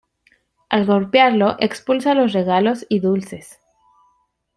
Al golpearlo expulsa los regalos y dulces.